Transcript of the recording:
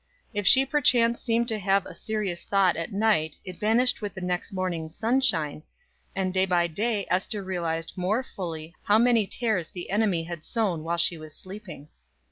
If she perchance seemed to have a serious thought at night it vanished with the next morning's sunshine, and day by day Ester realized more fully how many tares the enemy had sown while she was sleeping.